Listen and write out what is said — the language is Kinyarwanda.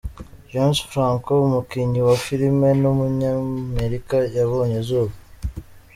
James Franco, umukinnyi wa filime w’umunyamerika yabonye izuba.